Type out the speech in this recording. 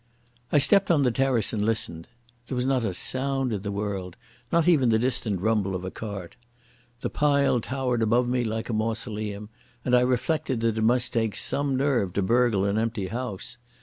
I stepped on the terrace and listened. There was not a sound in the world, not even the distant rumble of a cart. The pile towered above me like a mausoleum, and I reflected that it must take some nerve to burgle an empty house.